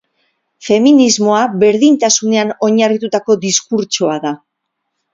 Feminismoa berdintasunean oinarritutako diskurtsoa da.